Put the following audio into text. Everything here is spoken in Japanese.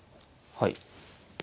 はい。